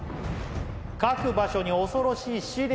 「各場所に恐ろしい試練を」